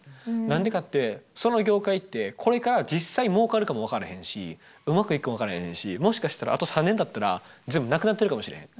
何でかってその業界ってこれから実際もうかるかも分からへんしうまくいくかも分からへんしもしかしたらあと３年たったら全部なくなっているかもしれへん。